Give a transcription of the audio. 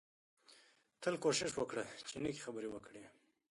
تل کوشش وکړه چې نېکې خبرې وکړې